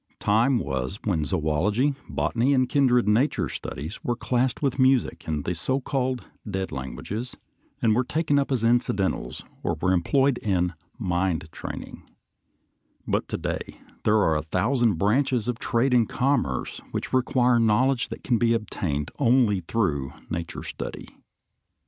Time was when zoölogy, botany, and kindred nature studies were classed with music and the so called dead languages, and were taken up as incidentals or were employed in "mind training"; but to day there are a thousand branches of trade and commerce which require knowledge that can be obtained only through nature study.